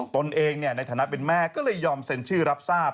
ตนเองในฐานะเป็นแม่ก็เลยยอมเซ็นชื่อรับทราบ